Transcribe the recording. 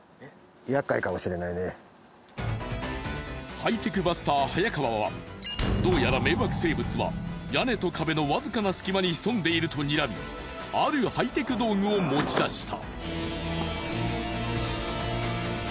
ハイテクバスター早川はどうやら迷惑生物は屋根と壁のわずかな隙間に潜んでいるとにらみあるハイテク道具を持ち出した。